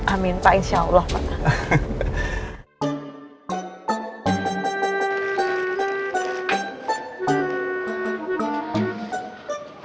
amin pak insya allah pak